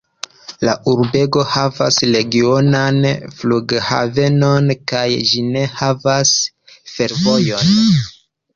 La urbego havas regionan flughavenon kaj ĝi ne havas fervojon.